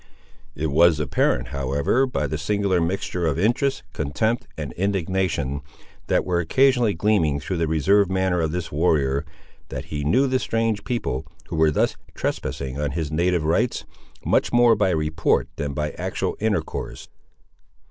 It was apparent, however, by the singular mixture of interest, contempt, and indignation, that were occasionally gleaming through the reserved manner of this warrior, that he knew the strange people, who were thus trespassing on his native rights, much more by report than by any actual intercourse.